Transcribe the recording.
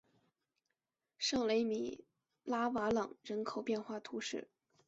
圣雷米拉瓦朗人口变化图示